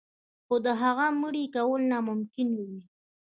خو د هغه مريي کول ناممکن کوي.